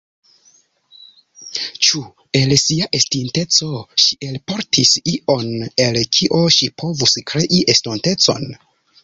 Ĉu el sia estinteco ŝi elportis ion, el kio ŝi povus krei estontecon?